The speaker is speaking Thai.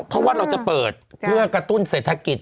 เพราะว่าเราจะเปิดเพื่อกระตุ้นเศรษฐกิจ